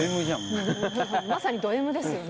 まさにドＭですよね。